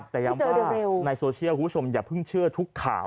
แต่ย้ำว่าในโซเชียลคุณผู้ชมอย่าเพิ่งเชื่อทุกข่าว